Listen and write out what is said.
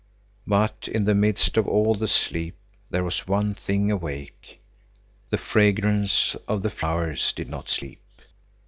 But in the midst of all the sleep there was one thing awake—the fragrance of the flowers did not sleep.